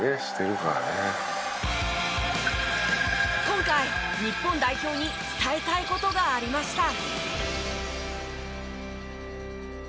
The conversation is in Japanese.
今回日本代表に伝えたい事がありました。